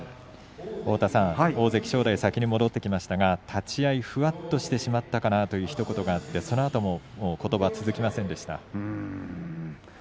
大関正代先に戻ってきましたが立ち合いふわっとしてしまったかなというひと言があってそのあとことば、続きませんでした。